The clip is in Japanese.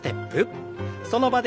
その場で。